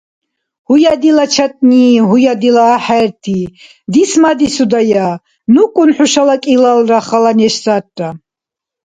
– Гьуя, дила чатӀни, гьуя, дила ахӀерти, дисмадисудая. НукӀун хӀушала кӀилалра хала неш сарра.